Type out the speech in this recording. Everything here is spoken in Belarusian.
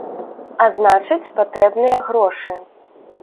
А значыць патрэбныя грошы.